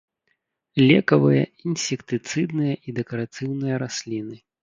Лекавыя, інсектыцыдныя і дэкаратыўныя расліны.